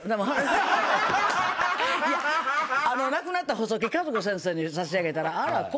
亡くなった細木数子先生に差し上げたら「あらっこぶ？」